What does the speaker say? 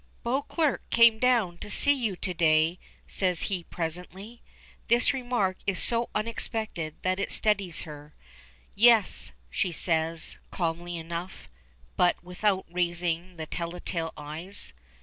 "Beauclerk came down to see you to day," says he presently. This remark is so unexpected that it steadies her. "Yes," she says, calmly enough, but without raising the tell tale eyes.